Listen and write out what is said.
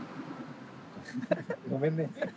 ごめんね。